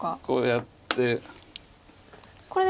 こうやって。